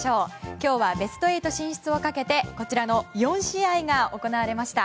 今日はベスト８進出をかけてこちらの４試合が行われました。